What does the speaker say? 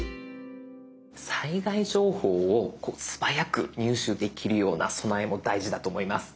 災害情報を素早く入手できるような備えも大事だと思います。